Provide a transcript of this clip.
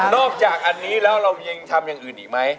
จากอันนี้แล้วเรายังทำอย่างอื่นอีกไหม